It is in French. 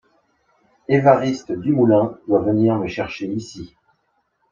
Évariste Dumoulin doit venir me chercher ici.